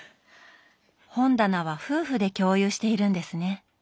本棚は夫婦で共有しているんですね。